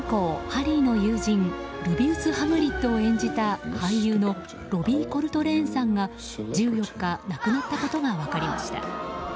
ハリーの友人ルビウス・ハグリッドを演じた俳優のロビー・コルトレーンさんが１４日、亡くなったことが分かりました。